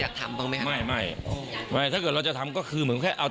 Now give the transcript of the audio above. อยากทำบ้างไหมครับไม่ไม่ถ้าเกิดเราจะทำก็คือเหมือนแค่เอา